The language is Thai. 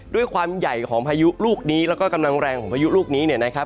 ด้วยความใหญ่ของพายุลูกนี้แล้วก็กำลังแรงของพายุลูกนี้เนี่ยนะครับ